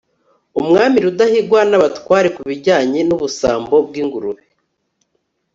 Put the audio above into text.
umwami rudahigwa n'abatware ku bijyanye n'ubusambo bw'ingurube